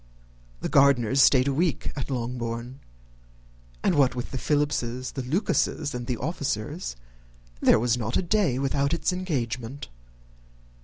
The Gardiners stayed a week at Longbourn; and what with the Philipses, the Lucases, and the officers, there was not a day without its engagement.